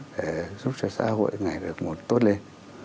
để giúp cho xã hội ngày được một tốt lên